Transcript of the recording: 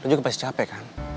juga pasti capek kan